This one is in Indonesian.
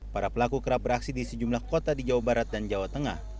para pelaku kerap beraksi di sejumlah kota di jawa barat dan jawa tengah